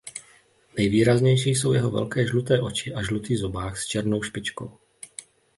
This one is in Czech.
Nejvýraznější jsou jeho velké žluté oči a žlutý zobák s černou špičkou.